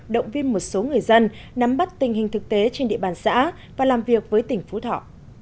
động viên một số người dân nắm bắt tình hình thực tế trên địa bàn xã và làm việc với tỉnh phú thọ